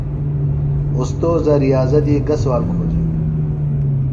اوستوذہ ریاضہ دی گہ سوال کھوجیلیۡ؟